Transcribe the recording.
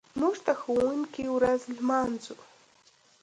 موږ د ښوونکي ورځ لمانځو.